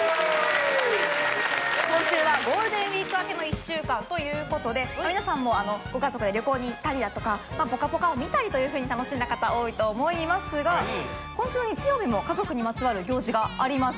今週はゴールデンウイーク明けの１週間ということで皆さんもご家族で旅行に行ったりだとか『ぽかぽか』を見たりというふうに楽しんだ方多いと思いますが今週の日曜日も家族にまつわる行事があります。